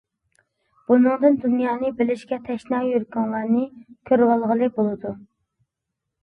بۇنىڭدىن دۇنيانى بىلىشكە تەشنا يۈرىكىڭلارنى كۆرۈۋالغىلى بولىدۇ.